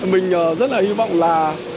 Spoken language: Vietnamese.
mình rất là hy vọng là